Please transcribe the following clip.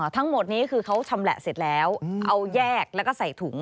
ทั้งหมดนี้คือเขาชำแหละเสร็จแล้วเอาแยกแล้วก็ใส่ถุง